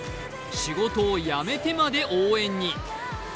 仕事を辞めてまで応援に。